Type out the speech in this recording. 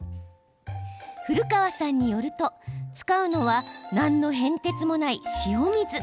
古川さんによると使うのは、何の変哲もない塩水。